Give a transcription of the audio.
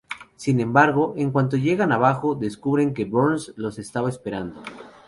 Sin embargo, en cuanto llegan abajo, descubren que Burns los estaba esperando.